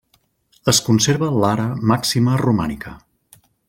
Es conserva l'ara màxima romànica.